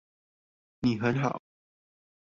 你很好